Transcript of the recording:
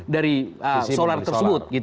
dari solar tersebut